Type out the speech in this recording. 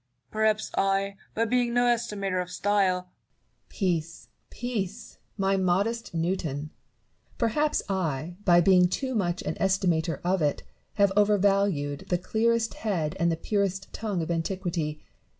Perhaps I, by being no estimator of style Barrow. Peace, peace ! my modest Newton ! Perhaps I, by being too much an estimator of it, have overvalued the clearest head and the purest tongue of antiquity.